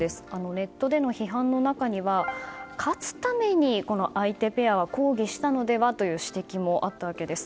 ネットでの批判の中には勝つために相手ペアは抗議したのではという指摘もあったわけです。